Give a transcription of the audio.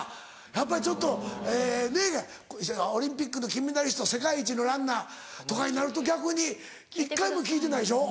やっぱりちょっとえねぇオリンピックの金メダリスト世界一のランナーとかになると逆に１回も聞いてないでしょ？